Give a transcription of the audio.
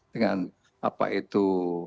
dengan apa itu